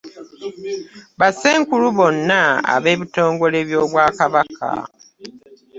Bassenkulu bonna ab'ebitongole by'Obwakabaka